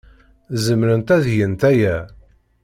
Zemrent ad gent aya.